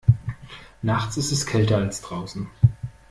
Nachts ist es kälter als draußen.